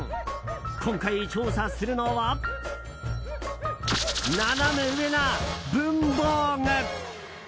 今回、調査するのはナナメ上な文房具。